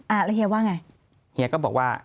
อ่าแล้วเฮียว่าไงเฮียก็บอกว่า